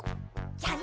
じゃあね。